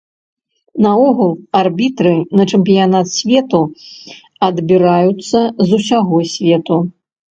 Наогул, арбітры на чэмпіянат свету адбіраюцца з усяго свету.